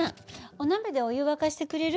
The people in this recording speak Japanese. お鍋でお湯沸かしてくれる？